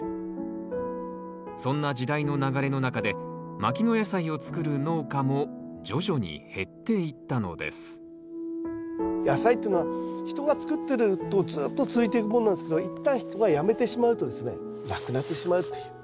そんな時代の流れの中で牧野野菜を作る農家も徐々に減っていったのです野菜ってのは人が作ってるとずっと続いていくものなんですけど一旦人がやめてしまうとですねなくなってしまうという。